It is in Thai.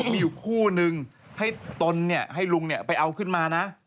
มีอยู่คู่นึงให้ต้นเนี่ยให้ลุงเนี่ยไปเอาขึ้นมานะ